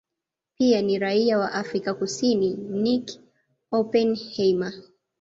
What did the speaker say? Pia ni raia wa Afrika Kusini Nicky Oppenheimer